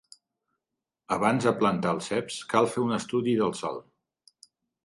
Abans de plantar els ceps cal fer un estudi del sòl.